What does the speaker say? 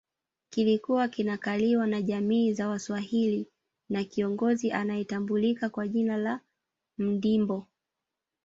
Kilikuwa kinakaliwa na jamii za Waswahili na kiongozi anayetambulika kwa jina la Mndimbo